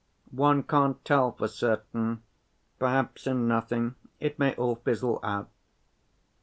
"One can't tell for certain. Perhaps in nothing: it may all fizzle out.